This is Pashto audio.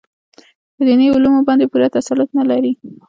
په دیني علومو باندې پوره تسلط نه لري.